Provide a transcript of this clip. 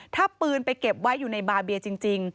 ถ้าปืนไปเก็บไว้อยู่ในบาเบียจริง